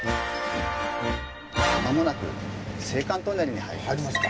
間もなく青函トンネルに入ります。